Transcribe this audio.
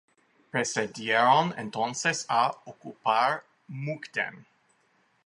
Procedieron entonces a ocupar Mukden.